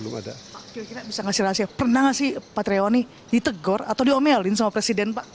pak kira kira bisa kasih rahasia pernah pak trewan ditegor atau diomelin sama presiden